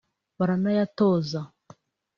baranayatoza